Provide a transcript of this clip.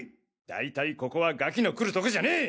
大体ここはガキの来るとこじゃねえ！